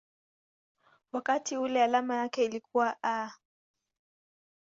wakati ule alama yake ilikuwa µµ.